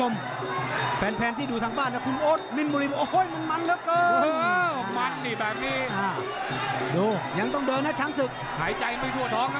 มันถึงตัวตลอดไม่ทันได้ต่อย